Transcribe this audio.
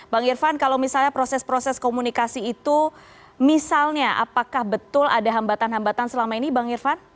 bang irfan kalau misalnya proses proses komunikasi itu misalnya apakah betul ada hambatan hambatan selama ini bang irfan